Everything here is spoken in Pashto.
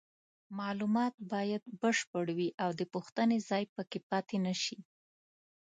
معلومات باید بشپړ وي او د پوښتنې ځای پکې پاتې نشي.